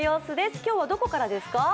今日はどこからですか？